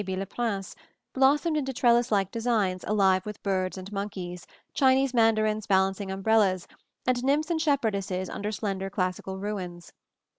B. Leprince, blossomed into trellis like designs alive with birds and monkeys, Chinese mandarins balancing umbrellas, and nymphs and shepherdesses under slender classical ruins.